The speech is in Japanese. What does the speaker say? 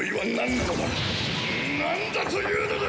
なんだというのだ！？